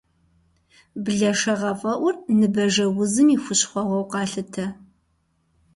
Блэшэгъэфӏэӏур ныбажэузым и хущхъуэгъуэу къалъытэ.